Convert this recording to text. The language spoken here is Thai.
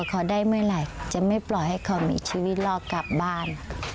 กลับบ้าน